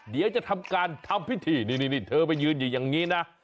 เดี๋ยวจะทำการทำพิธีนี่เธอไปยืนอยู่อย่างนี้นะ